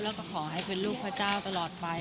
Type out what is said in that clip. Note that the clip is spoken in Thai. แล้วก็ขอให้เป็นลูกพระเจ้าตลอดไป